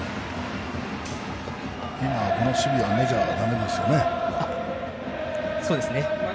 この守備はメジャーダメですよね。